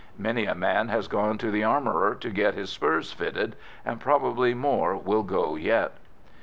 Many a man has gone to the armourer to get his spurs fitted, and probably more will go yet.